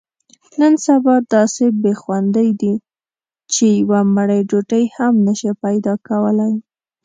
نن سبا داسې بې خوندۍ دي، چې یوه مړۍ ډوډۍ هم نشې پیداکولی.